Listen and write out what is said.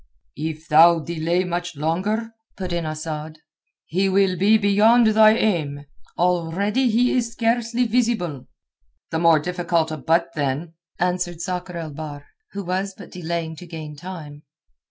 "If thou delay much longer," put in Asad, "he will be beyond thine aim. Already he is scarcely visible." "The more difficult a butt, then," answered Sakr el Bahr, who was but delaying to gain time.